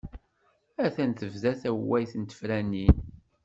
Attan tebda tawayt n tefranin.